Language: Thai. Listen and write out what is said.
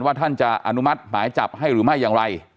ท่านจะอนุมัติหมายจับให้หรือไม่อย่างไร